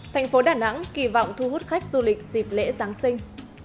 thành phố đà nẵng kỳ vọng thu hút khách du lịch dịp lễ giáng sinh